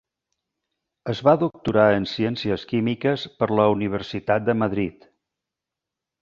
Es va doctorar en Ciències Químiques per la Universitat de Madrid.